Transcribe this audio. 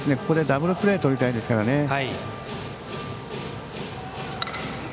ここでダブルプレーをとりたいですからね。